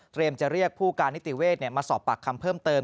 จะเรียกผู้การนิติเวศมาสอบปากคำเพิ่มเติม